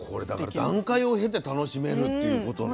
段階を経て楽しめるっていうことね。